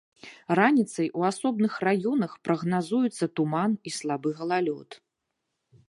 Раніцай у асобных раёнах прагназуецца туман і слабы галалёд.